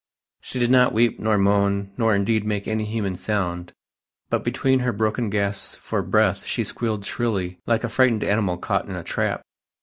She did not weep nor moan nor indeed make any human sound, but between her broken gasps for breath she squealed shrilly like a frightened animal caught in a trap.